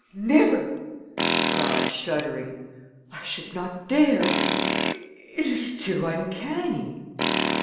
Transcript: "Never!" she cried, shuddering. "I should not dare. It is too uncanny."